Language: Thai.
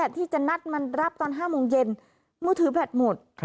ที่จะนัดมันรับตอน๕โมงเย็นมือถือแบตหมด